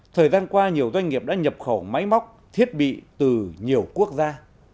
thời gian qua nhiều doanh nghiệp đã nhập khẩu máy móc thiết bị từ nhiều quốc gia